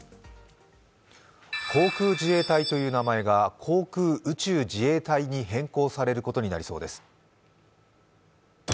航空自衛隊という名前が航空宇宙自衛隊に変更されることになりそうです。